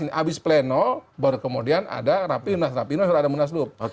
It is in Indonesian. habis pleno baru kemudian ada rapi munas rapino kemudian ada munaslup